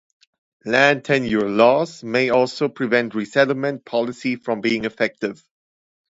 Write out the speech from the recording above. Land tenure laws may also prevent resettlement policy from being effective.